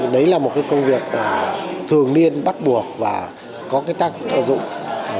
đấy là một công việc thường niên bắt buộc và có tác dụng vô cùng to lớn